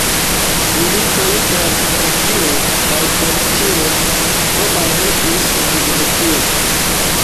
Milito inter Grekio kaj Turkio tro malhelpis al Grekio.